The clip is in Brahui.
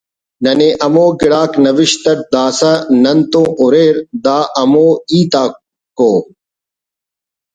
نئے ہمو گڑاک نوشت اٹ داسہ نن تون اریر دا ہمو ہیت آک ءُ